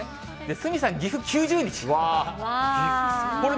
鷲見さん、岐阜９０日。